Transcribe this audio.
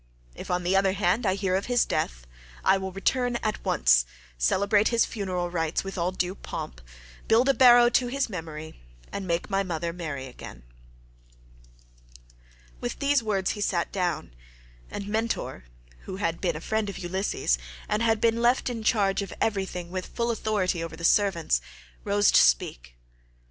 If on the other hand I hear of his death, I will return at once, celebrate his funeral rites with all due pomp, build a barrow to his memory, and make my mother marry again." With these words he sat down, and Mentor20 who had been a friend of Ulysses, and had been left in charge of everything with full authority over the servants, rose to speak.